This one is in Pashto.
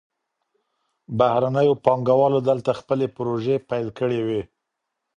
بهرنيو پانګوالو دلته خپلي پروژې پيل کړې وې.